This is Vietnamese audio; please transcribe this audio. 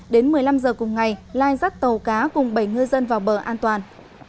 đến một mươi năm giờ cùng ngày lai dắt tàu cá cùng bảy ngư dân vào bờ an toàn